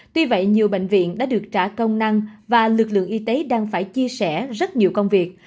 tuy vậy nhiều bệnh viện đã được trả công năng và lực lượng y tế đang phải chia sẻ rất nhiều công việc